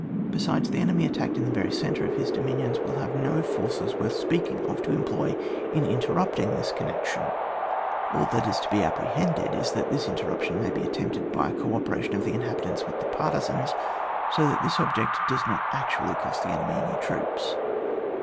Besides^ the enemy attacked in the very centre of his dominions will have no forces worth speaking; of to employ in interrupting this connection ; all that is to be apprehended is that this interrup tion may be attempted by a co operation of the inhabitants with the partisans, so that this object does not actually cost the enemy any troops.